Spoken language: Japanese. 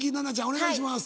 お願いします。